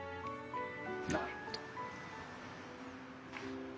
なるほど。